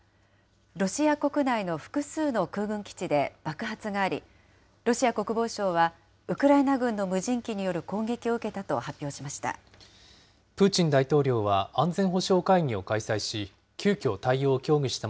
ロシア国内の複数の空軍基地で爆発があり、ロシア国防省は、ウクライナ軍の無人機による攻撃を受けたと発表しました。